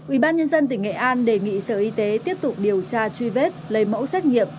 ubnd tỉnh nghệ an đề nghị sở y tế tiếp tục điều tra truy vết lấy mẫu xét nghiệm